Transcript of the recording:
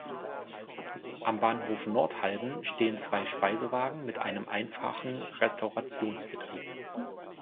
Am Bahnhof Nordhalben stehen zwei Speisewagen mit einem einfachen Restaurationsbetrieb.